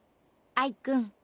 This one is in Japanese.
アイくん。